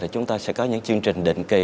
chúng ta sẽ có những chương trình định kỳ